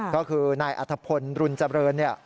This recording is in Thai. ก็คือนายอัธพลรุนเจริญเนี่ย